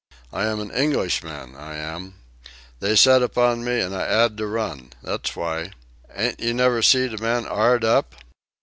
I am an Englishman, I am. They set upon me an' I 'ad to run. That's why. A'n't yer never seed a man 'ard up?